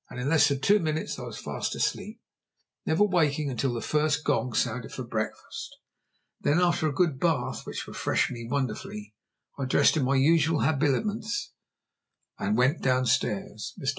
In less than two minutes I was fast asleep, never waking until the first gong sounded for breakfast; then, after a good bath, which refreshed me wonderfully, I dressed in my usual habiliments, and went downstairs. Mr.